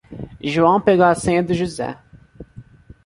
João pegou a senha do José.